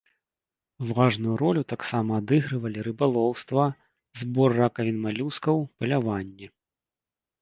Важную ролю таксама адыгрывалі рыбалоўства, збор ракавін малюскаў, паляванне.